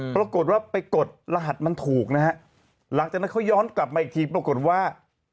ปรากฏว่าไปกดรหัสมันถูกนะฮะหลังจากนั้นเขาย้อนกลับมาอีกทีปรากฏว่า